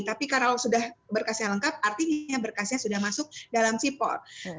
tapi kalau sudah berkasnya lengkap artinya berkasnya sudah masuk dalam sipol